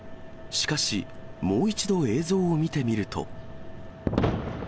しかし、もう一度映像を見てみると。